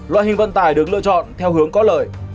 loại hình vận tải được lựa chọn theo hướng có lợi